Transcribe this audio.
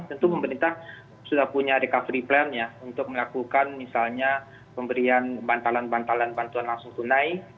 tentu pemerintah sudah punya recovery plan ya untuk melakukan misalnya pemberian bantalan bantalan bantuan langsung tunai